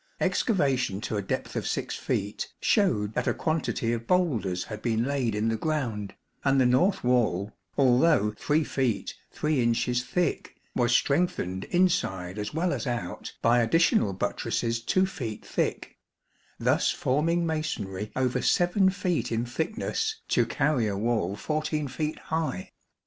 Excavation to a depth of 6 feet showed that a quantity of boulders had been laid in the ground, 'and the north wall, although 3 feet 3 inches thick, was strengthened inside as well as out by additional buttresses 2 feet thick ; thus forming masonry over 7 feet in thickness to carry a wall 14 feet high.